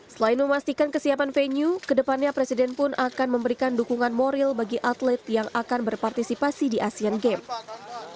selain memastikan kesiapan venue kedepannya presiden pun akan memberikan dukungan moral bagi atlet yang akan berpartisipasi di asian games